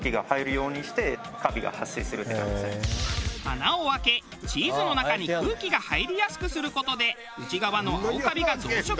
穴を開けチーズの中に空気が入りやすくする事で内側の青カビが増殖。